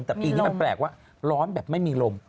แต่ปีนี้มันแปลกว่าร้อนแบบไม่มีลม